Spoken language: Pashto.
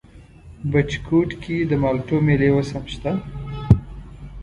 بټي کوټ کې د مالټو مېلې اوس هم شته؟